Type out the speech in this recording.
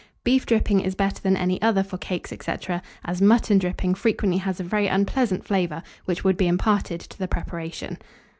Beef dripping is better than any other for cakes, &c., as mutton dripping frequently has a very unpleasant flavour, which would be imparted to the preparation.